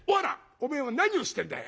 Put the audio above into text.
おめえは何をしてんだい！